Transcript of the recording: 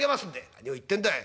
「何を言ってんだい。